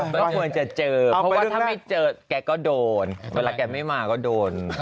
เก่าก็โดนเวลาเคยไม่มาก็โดน